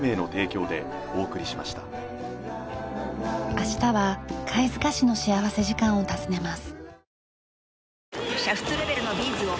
明日は貝塚市の幸福時間を訪ねます。